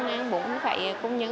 ăn bún với thịt công nhân